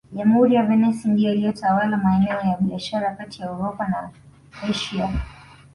Jamhuri ya Venisi ndiyo iliyotawala maeneo ya biashara kati ya Uropa na Asia